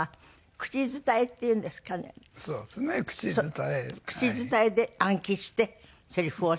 口伝えで暗記してセリフをおっしゃる。